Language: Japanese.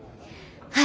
はい。